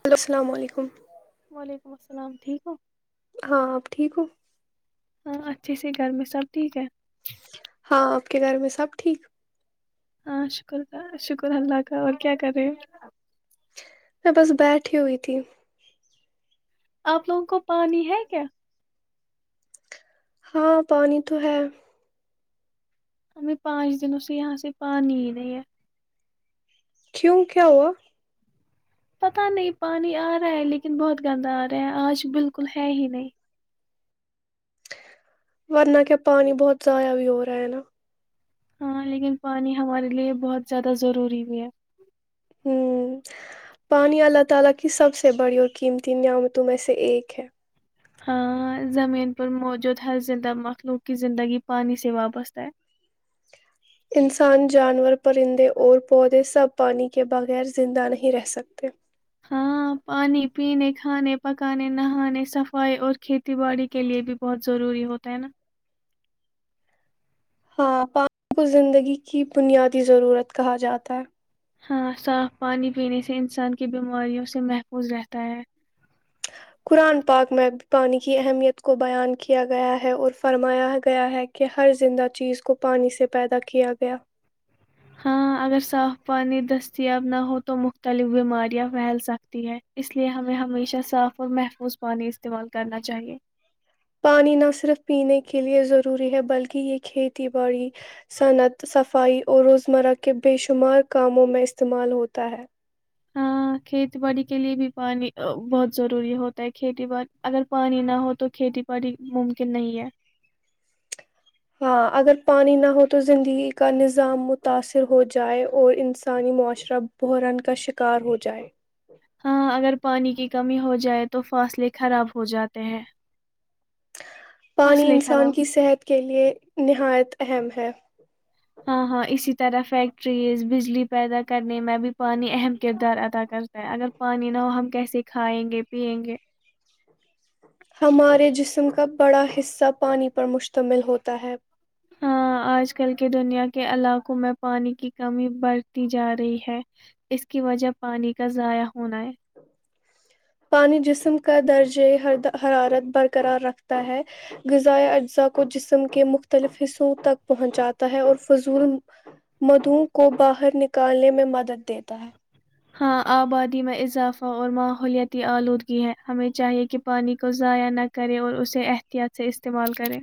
Hello السلام علیکم وعلیکم السلام ٹھیک ہو ہاں آپ ٹھیک ہو ہاں اچھے سے گھر میں سب ٹھیک ہے ہاں کے گھر میں سب ٹھیک ہاں شکر کا شکر اللہ کا اور کیا کر رہے میں بس بیٹھی ہوئی تھی آپ لوگوں کو پانی ہے کیا ہاں پانی تو ہے ہمیں پانچ دنوںے یہاں سے پانی نہیں ہے کیوں کیا ہوا؟ پتا نہیں پانی آ رہا ہے لیکن بہت گندا آ رہا ہے آج بالکل ہے ہی نہیں ورنہ کیا پانی بہت ضائع بھی ہو رہا ہے نا ہاں لیکن پانی ہمارے لیے بہت زیادہ ضروری بھی ہے ہوں پانی اللہ تعالی کی سب سے بڑی اور قیمتی نعمتوں میں سے ایک ہے ہ زمین پر موجود ہر زہ مخلوق کی زندگی پانی سے وابستہ ہے انسان جانور پرندے اور پودے سب پانی کے بغیر زندہ نہیں رہ سکتے ہاں پانی پینے کھانے پکانے نہانے صفائی اور کھیتی باڑی کے لیے بھی بہت ضروری ہوتا ہے نا ہاں پانی کو زندگی کی بنیادی ضرورت کہا جاتا ہے ہاں صاف پانی پینے سے انسان کی بیماریوں سے محفوظ رہتا ہے قرآن پاک میں پانی کی اہمیت کو بیان کیا گیا ہے اور فرمایا گیا ہے کہ ہر زندہ چیز کو پانی سے پیدا کیا گیا ہاں اگر صاف پانی دستیاب نہ ہو تو مختلف بیماریاں پھیل سکتی ہیں اس لیے ہمیں ہمیشہ صاف اور محفوظ پانی استعمال کرنا چاہیے پانی نہ صرف پینے کے لئے ضروری ہے بلکہ یہ کھیتی باڑی صنعت صفائی اور روزمرہ کے بے شمار کاموں میں استعمال ہوتا ہے ہاں کھیتی باڑی کے لیے بھی پانی بہت ضروری ہوتا ہے کھیتی باڑی اگر پانی نہ ہو تو کھیتی باڑی ممکن نہیں ہے ہاں اگر پانی نہ ہو تو زندگی کا نظام متاثر ہو جائے اور انسانی معاشرہ بحران کا شک کار ہو جائے ہاں اگر پانی کی کمی ہو جائے تو فاصلے خراب ہو جاتے ہیں پانی فصلیں خراب انسان کی صحت کے لیے نہایت اہم ہے اچھا [unintelligible] ہاں ہاں اسی طرح فیکٹریز بجلی پیدا کرنے میں بھی پانی اہم کردار ادا کرتا ہے اگر پانی نہ ہو ہم کیسے کھائیں گے پیئیں گے ہمارے جسم کا بڑا حصہ پانی پر مشتمل ہوتا ہے ہاں آج کل کے دنیا کے علاقوں میں پانی کی کمی بڑھتی جا رہی ہے اس کی وجہ پانی کا ضائع ہونا ہے پانی جسم کے کا درجہر حرارت برقرار رکھتا ہے غذائے اجزاء کو جسم کے مختلف حصوں تک پہنچاتا ہے اور فضول مدھو کو باہر نکالنے میں مدد دیتا ہے ہاں ابادی ہیں ہمیں چاہیے کہ پانی کو ضائع نہ کریں اور اسے احتیاط سے استعمال کریں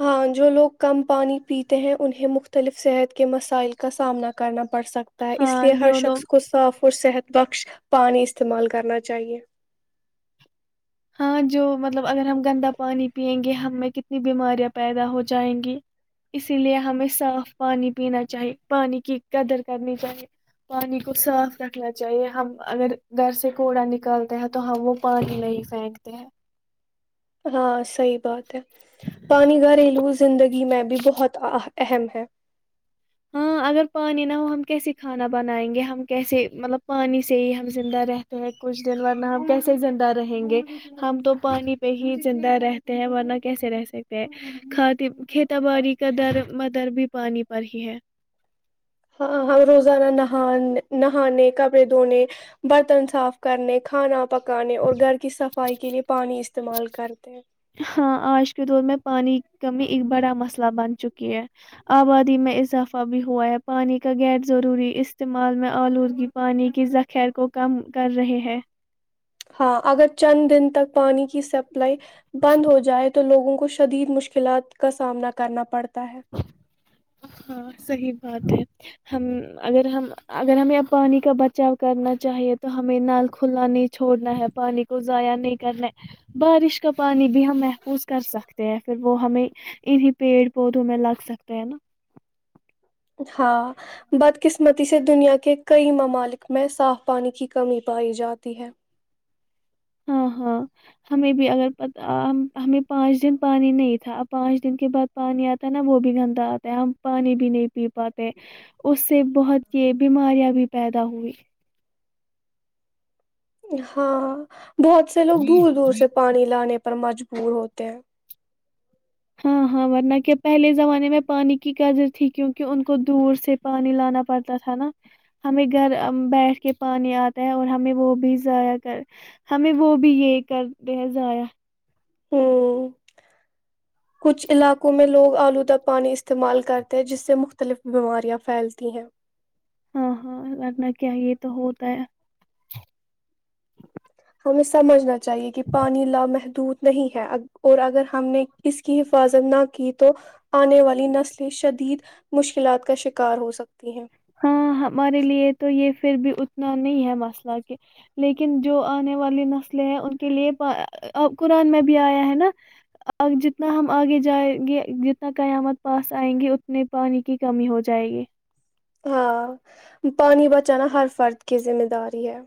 ہاں جو لوگ کم پانی پیتے ہیں انہیں مختلف صحت کے مسائل کا سامنا کرنا پڑ سکتا ہے اس ہاں لیے ہر جو لوگ شخص کو صاف اور صحت بخش پانی استعمال کرنا چاہیئے ہاں جو مطلب اگر ہم گندا پانی پیئیں گے ہمیں کتنی بیماریاں پیدا ہو جائیں گی اسی لیے ہمیں صاف پانی پینا چاہیے پانی کی قدر کرنی چاہیے پانی کو صاف رکھنا چاہیے ہم اگر گھر سے کوڑا نکالتے ہیں تو ہم وہ پانی نہیں سھیکتے ہیں [unintelligible] ہاں صحیح بات ہے پانی گریلو زندگی میں بھی بہت اہم ہے ہاں اگر پانی نہ ہو ہم کیسے کھانا بنائیں گے ہم کیسے مطلب پانی سے ہی ہم زندہ رہتے ہیں کچھ دن ورنہ ہم کیسے زندہ رہیں گے ہم تو پانی پہ ہی زندہ رہتے ہیں ورنہ کیسے رہ سکتے ہیں کھات کھیتا باڑی کا در م در بھی پانی پر ہی ہے ہاں ہم روزانہ نہانے نہانے کپڑے دھونے برتن صاف کرنے کھانا پکانے اور گھر کی صفائی کے لیے پانی استعمال کرتے ہیں ہاں آج کے دور میں پانی کی کمی ایک بڑا مسئلہ بن چکی ہے آبادی میں اضافہ بھی ہوا ہے پانی کا غیر ضروری استعمال میں آلودگی پانی کے ذخیر کو کم کر رہے ہے ہاں اگر چند دن تک پانی کی س بند ہو جائے تو لووں کو کو شدید مشکلات کا سامنا کرنا پڑتا ہے ہاں صحیح بات ہے ہم اگر ہم اگر ہمیں پانی کا بچاؤ کرنا چاہیے تو ہمیں نل کھلا نہیں چھوڑنا ہے پانی کو ضائع نہیں کرنا ہے بارش کا پانی بھی ہم محفوظ کر سکتے ہیں پھر وہ ہمیں انیں پیڑ پودوں میں لگ سکتے ہے نا ہاں بدقسمتی سے دنیا کے کئی ممالک میں صاف پانی کی کمی پائی جاتی ہے ہاں ہاں ہمیں بھی اگر پ ہمیں پانچ دن پانی نہیں تھا اب پانچ دن کے بعد پانی آتا ہے نا وہ بھی گھندا آتا ہے ہم پانی بھی نہیں پی پا تے سے بہت یہ بیماریاں بھی پیدا ہوئی ہاں بہت سے لوگ دور دور سے پانی لانے پر مجبور ہوتے ہیں ہاں ہاں ورنہ کیا پہلے زمانے میں پانی کی قدر تھی کیونکہ ان کو دور سے پانی لانا پڑتا تھا نا ہمیں گھر بیٹھ کے پانی آتا ہے اور ہمیں وہ بھی ضائع کر ہمیں وہ بھی یہ کرتے ہیں ضائع ہ کچھ علاقوں میں لوگ آلودہ پانی استعمال کرتے ہیں جس سے مختلف بیماریاں پھیلتی ہیں ہاں ہاں لگنا کیا یہ تو ہوتا ہے ہمیں سمجھنا چاہیے کہ پانی لامحدود نہیں ہے اور اگر ہم نے اس کی حفاظت نہ کی تو آنے والی نسل شدید مشکلات کا شکار ہو سکتا ہاں ہمارے لیے تو یہ پھر بھی اتنا نہیں ہے مسئلہ کہ لیکن جو آنے والی نسلیں ہیں ان کے لیے اب قرآن میں بھی آیا ہے نا ا جتنا ہم آگے جائیں گے جتنا قیامت پاس آئیں گے اتنی پانی کی کمی ہو جائے گی ہاں پانی بچانا ہر فرد کی ذمہ داری ہے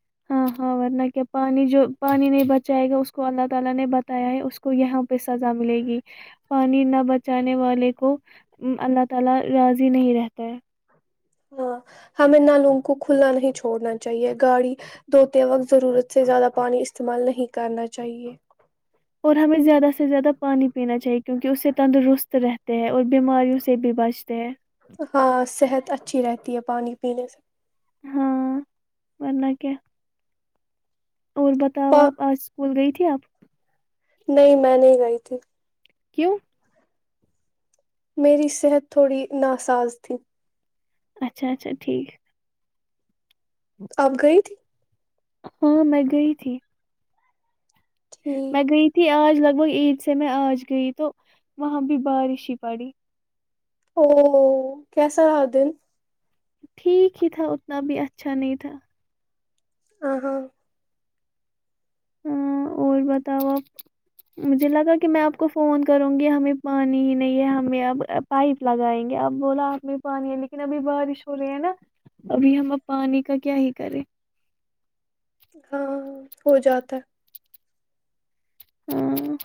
ہاں ہاں، اللہ نے پانی نہ بچانے والوں کو بتایا ہے کہ انہیں یہاں عذاب دیا جائے گا۔ اللہ ان لوگوں سے راضی نہیں ہوتا جو پانی نہیں بچاتے ہاں ہمیں نہ لوگ کو کھلا نہیں چھوڑنا چاہیے گاڑی دھوتے وقت ضرورت سے زیادہ پانی استعمال نہیں کرنا چاہیے اور ہمیں زیادہ سے زیادہ پانی پینا چاہیے کیونکہ اس سے تندرست رہتے ہیں اور بیماریوں سے بھی بچتے ہیں ہاں صحت اچھی رہتی ہے پانی پینے سے ہاں ورنہ اور بتاؤ پا آپ آج اسکول گئی تھی کیا آپ [unintelligible] نہیں میں نہیں گئی تھی کیوں میری صحت تھوڑی ناساز تھی اچھا اچھا ٹھیک آپ گئی تھی ہاں میں گئی تھی میں ٹھیک گئی تھی آج لگ وہ عید سے میں آج گئی تو وہاں بھی بارش ہی پڑی او کیسا رہا دن ٹھیک ہی تھا اتنا بھی اچھا نہیں تھا آ [unintelligible] ہاں اور بتاؤ آپ مجھے لگا کہ میں آپ کو فون کروں گی ہمیں پانی ہی نہیں ہے ہمیں اب پائپ لگائیں گے اب بولا آپ میں پانی ہے لیکن ابھی بارش ہو رہی ہے نا ابھی ہم اب پانی کا کیا ہی کریں ہاں ہو جاتا ہے ہاں [unintelligible]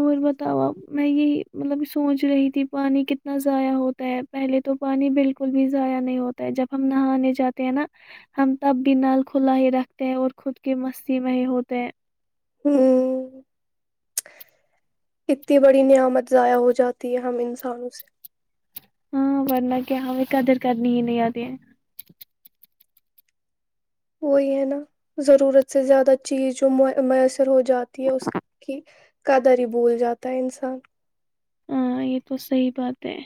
اور بتاؤ میں یہی مطلب سوچ رہی تھی پانی کتنا ضائع ہوتا ہے پہلے تو پانی بالکل بھی ضائع نہیں ہوتا ہے جب ہم نہانے جاتے ہیں نا ہم تب بھی نل کھلا ہی رکھتے ہیں اور خود کے مستی میں ہوتے ہیں ہوں اتنی بڑی نعمت ضائع ہو جاتی ہے ہم انسانوں سے ہاں ورنہ کیا ہمیں قدر کرنی ہی نہیں آتیی وہی ہے نا ضرورت سے زیادہ چیز جو میسر ہو جاتی ہے اسس کی قدر ہی بھول جاتا ہے انسان ہاں یہ تو صحیح بات ہے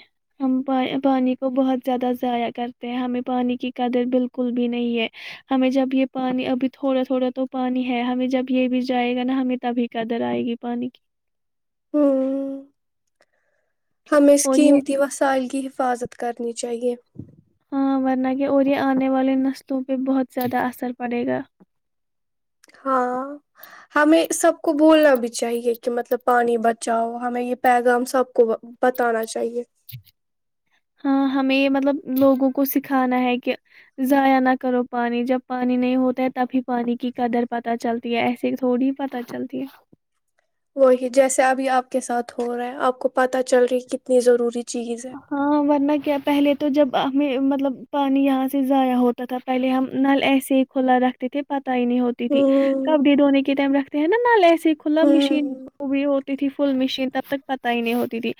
ہم پانی کو بہت زیادہ ضائع کرتے ہیں ہمیں پانی کی قدر بالکل بھی نہیں ہے ہمیں جب یہ پانی ابھی تھوڑا تھوڑا تو پانی ہے ہمیں جب یہ بھی جائے گا نا ہمیں تبھی قدر آئے گی پانی کی ہوں ہم اس اور یہ قیمتی وسائل کی حفظ حفاظت کرنی چاہیے ہاں ورنہ کہ اور یہ آنے والے نسلوں پہ بہت زیادہ اثر پڑے گا ہاں ہمیں سب کو بولنا بھی چاہیے کہ مطلب پانی بچاؤ ہمیں یہ پیغام سب کو بتانا چاہیے ہاں ہمیں یہ مطلب لوگوں کو سکھانا ہے کہ ضائع نہ کرو پانی جب پانی نہیں ہوتا ہے تب ہی پانی کی قدر پت چلتی ہے ایسے تھوڑی پت چلتی ہے وہی جیسے ابھی آپ کے ساتھ ہو رہا ہے آپ کو پتا چل رہی کہ اپنی ضروری [unintelligible] ہاں ورنہ کیا پہلے تو جب میں مطلب پانی یہاں سے ضائع ہوتا تھا پہلے ہم نل ایسے ہی کھلا رکھتے تھے پ نہیں ہوتی تھی ہ کبڈی دونے کے ٹائم رکھ دین نالے [unintelligible] کھلا ہ مشین وہ بھی ہو تھی فل مشین تب تک پتا ہی نہیں ہوتی تھی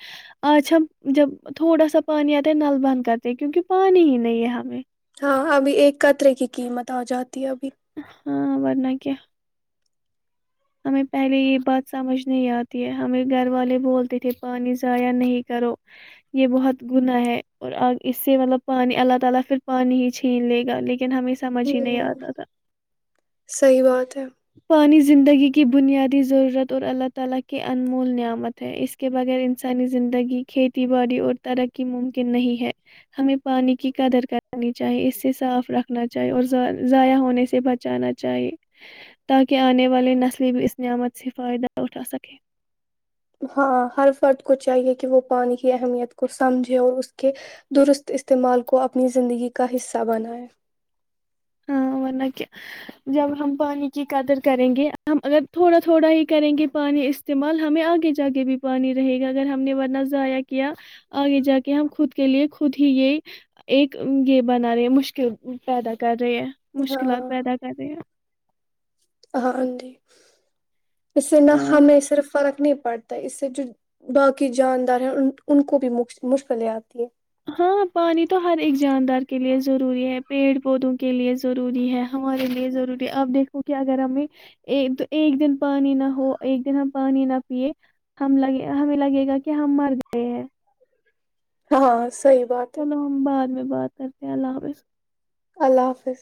آج ہم جب تھوڑا سا پانی آتا ہے نل بند کرتے ہے کیونکہ پانی ہی نہیں ہے ہمیں ہاں ابھی ایک قطرے کی قیمت آ جاتی ا دیاب ہاں بنہ کین [unintelligible] ہ سمجھ ہی نہیں آتا تھا سی بات ہے [inaudible] تاکہ آنے والے نسلی بھی اس نعمت سے فائدہ اٹھا سکے [unintelligible] ہاں ورنہ کیا جب ہم پانی کی قدر کریں گے ہم اگر تھوڑا تھوڑا ہی کریں گے پانی استعمال ہمیں آگے جا کے بھی پانی رہے گا اگر ہم نے ورنہ ضائع کیا آگے جا کے ہم خود کے لیے خود ہی یہ ایک یہ بنا رہے مشکل پیدا کر رہ مشکلات ہاں پیدا کر رہے ہیں ہاں جی اس سے نہ ہاں ہمیں صرف فرق نہیں پڑتا ہے اس سے جو باقی جاندار ہیں ان ان کو بھی مشکلیں آتی ہیں ہاں پانی تو ہر ایک جاندار کے لیے ضروری ہے پیڑ پودوں کے لیے ضروری ہے ہمارے لیے ضروری ہے اپ دیکھو کہ اگر ہمیں ایک ایک دن پانی نہ ہو ایک دن ہم پانی نہ پیے ہم لگے ہمیں لگے گا کہ ہم مر گئے ہیں ہاں صحیح بات ہے چلو ہم بعد میں بات کرتے ہیں اللہ حافظ اللہ حافظ